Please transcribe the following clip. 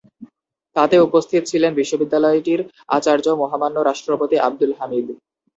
তাতে উপস্থিত ছিলেন বিশ্ববিদ্যালয়টির আচার্য, মহামান্য রাষ্ট্রপতি আবদুল হামিদ।